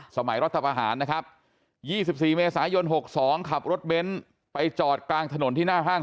รัฐประหารนะครับ๒๔เมษายน๖๒ขับรถเบ้นไปจอดกลางถนนที่หน้าห้าง